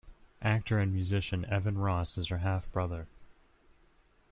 Actor and musician Evan Ross is her half-brother.